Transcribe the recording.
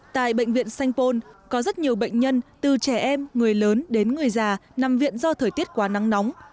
tại bệnh viện sanh pôn có rất nhiều bệnh nhân từ trẻ em người lớn đến người già nằm viện do thời tiết quá nắng nóng